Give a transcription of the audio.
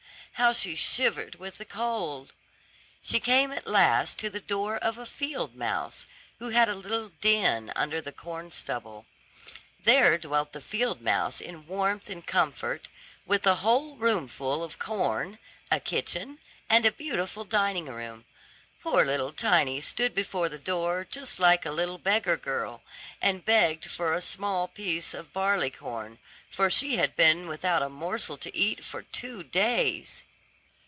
how she shivered with the cold. She came at last to the door of a field mouse, who had a little den under the corn stubble. There dwelt the field mouse in warmth and comfort, with a whole roomful of corn, a kitchen, and a beautiful dining room. Poor little Tiny stood before the door just like a little beggar girl, and begged for a small piece of barley corn, for she had been without a morsel to eat for two days.